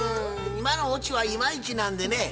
今のオチはいまいちなんでね